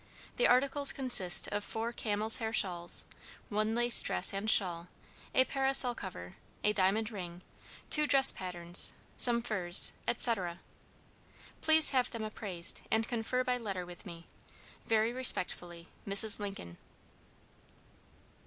The articles consist of four camels' hair shawls, one lace dress and shawl, a parasol cover, a diamond ring, two dress patterns, some furs, etc. "Please have them appraised, and confer by letter with me. Very respectfully, "MRS. LINCOLN."